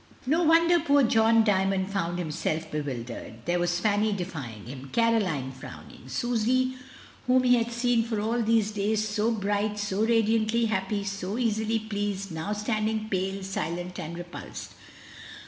No wonder poor John Dymond found himself bewildered. There was Fanny defying him, Caroline frowning, Susy, whom he had seen for all these days, so bright, so radiantly happy, so easily pleased, now standing pale, silent, and repulsed.